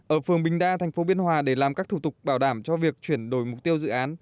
ở phường bình đa thành phố biên hòa để làm các thủ tục bảo đảm cho việc chuyển đổi mục tiêu dự án